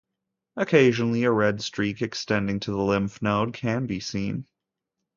Occasionally, a red streak extending to the lymph node can be seen.